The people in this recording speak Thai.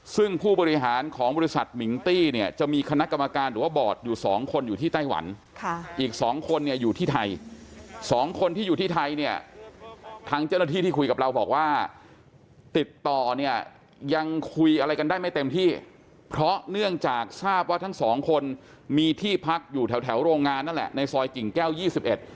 ซึ่งผู้บริหารของบริษัทมิงตี้เนี่ยจะมีคณะกรรมการหรือว่าบอร์ดอยู่สองคนอยู่ที่ไต้หวันค่ะอีกสองคนเนี่ยอยู่ที่ไทยสองคนที่อยู่ที่ไทยเนี่ยทางเจ้าหน้าที่ที่คุยกับเราบอกว่าติดต่อเนี่ยยังคุยอะไรกันได้ไม่เต็มที่เพราะเนื่องจากทราบว่าทั้งสองคนมีที่พักอยู่แถวแถวโรงงานนั่นแหละในซอยกิ่งแก้วยี่สิบเอ็ด